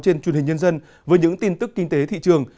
trên truyền hình nhân dân với những tin tức kinh tế thị trường